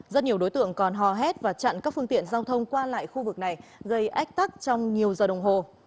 rất nhiều đối tượng còn hò hét và chặn các phương tiện giao thông qua lại khu vực này gây ách tắc trong nhiều giờ đồng hồ